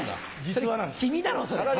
君だろうそれ。